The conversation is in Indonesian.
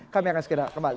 kami akan segera kembali